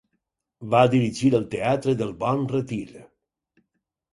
Va dirigir el Teatre del Bon Retir.